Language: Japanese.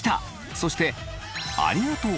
そしてありがとう！